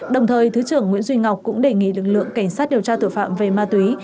đồng thời thứ trưởng nguyễn duy ngọc cũng đề nghị lực lượng cảnh sát điều tra tội phạm về ma túy